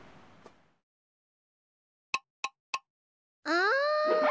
あ！